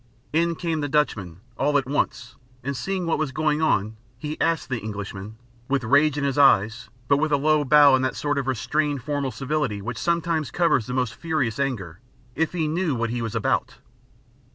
In came the Dutchman all at once, and seeing what was going on, he asked the Englishman, with rage in his eyes, but with a low bow and that sort of restrained formal civility which sometimes covers the most furious anger, if he knew what he was about?